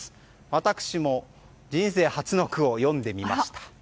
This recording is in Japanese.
私も人生初の句を詠んでみました。